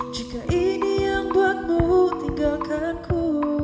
jika ini yang buatmu tinggalkanku